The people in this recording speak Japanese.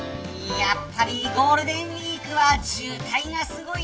やっぱりゴールデンウイークは渋滞がすごい。